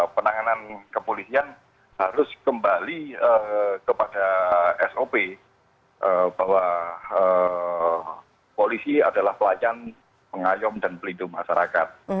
penanganan kepolisian harus kembali kepada sop bahwa polisi adalah pelayan pengayom dan pelindung masyarakat